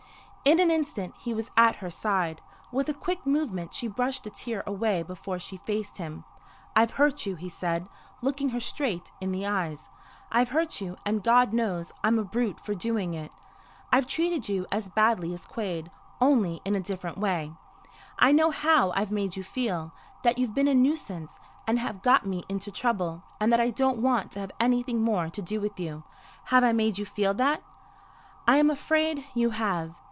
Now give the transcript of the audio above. In an instant he was at her side. With a quick movement she brushed the tear away before she faced him. "I've hurt you," he said, looking her straight in the eyes. "I've hurt you, and God knows I'm a brute for doing it. I've treated you as badly as Quade only in a different way. I know how I've made you feel that you've been a nuisance, and have got me into trouble, and that I don't want to have anything more to do with you. Have I made you feel that?" "I am afraid you have."